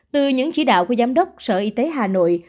từ những chỉ đạo của giám đốc sở y tế hà nội